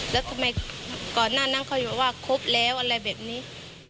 แล้วทำไมก่อนหน้านั้นเขาอยู่ว่าครบแล้วอะไรแบบนี้